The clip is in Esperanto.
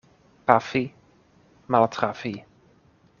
Pafi — maltrafi.